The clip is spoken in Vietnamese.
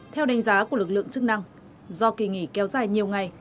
nhanh giá của lực lượng chức năng do kỳ nghỉ kéo dài nhiều ngày